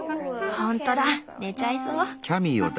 ほんとだ寝ちゃいそう。